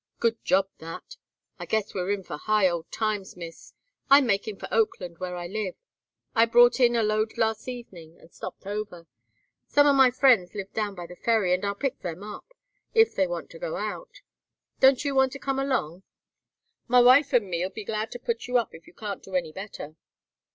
Good job, that. I guess we're in for high old times, miss. I'm makin' for Oakland, where I live. I brought in a load last evenin' and stopped over. Some of my friends live down by the ferry, and I'll pick them up, if they want to get out. Don't you want to come along? My wife and me'll be glad to put you up if you can't do any better."